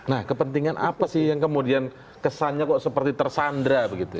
nah kepentingan apa sih yang kemudian kesannya kok seperti tersandra